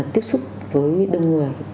tiếp xúc với đông người